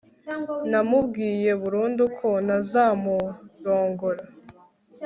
Namubwiye burundu ko ntazamurongora